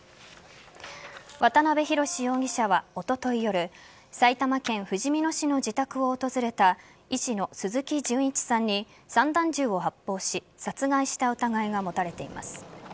渡辺宏容疑者は、おととい夜埼玉県ふじみ野市の自宅を訪れた医師の鈴木純一さんに散弾銃を発砲し殺害した疑いが持たれています。